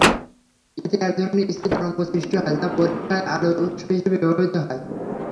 এতে একধরনের স্থির তরঙ্গ সৃষ্টি হয়, যা পরীক্ষায় আলোর উৎস হিসেবে ব্যবহৃত হয়।